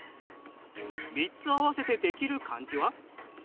３つ合わせてできる漢字は？